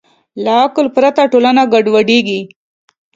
له عقل پرته ټولنه ګډوډېږي.